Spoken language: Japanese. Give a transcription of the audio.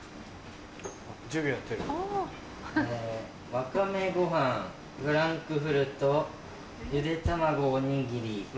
わかめごはんフランクフルトゆで卵おにぎり。